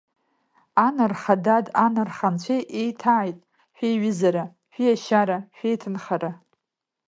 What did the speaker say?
Анарха, дад, анарха Анцәа еиҭааит шәеиҩызара, шәиашьара, шәеиҭынхара!